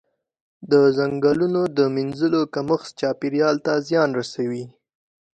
د ځنګلونو د مینځلو کمښت چاپیریال ته زیان رسوي.